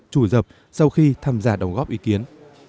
chủ dập sau khi tham gia đồng góp ý kiến